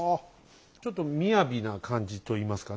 ちょっと雅な感じといいますかね。